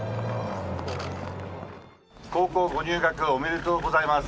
高校ご入学おめでとうございます。